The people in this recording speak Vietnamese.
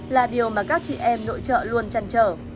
là điều mà các chị em nội trợ luôn chăn trở